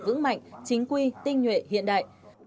vững mạnh chính quy tinh nguyện hiện đại